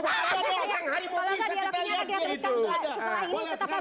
sekarang kita harus berusaha setelah ini tetap sama sama dalam pembahasan